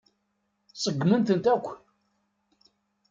Seggment-tent akk.